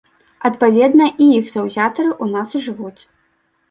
Адпаведна, і іх заўзятары ў нас жывуць.